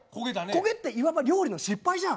焦げっていわば料理の失敗じゃん。